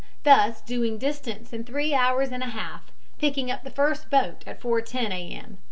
thus doing distance in three hours and a half, picking up the first boat at 4.10 A. M.